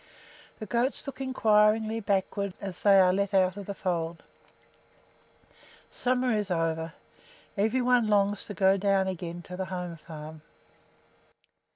The goats look inquiringly backward as they are let out of the fold. Summer is over. Every one longs to go down again to the home farm.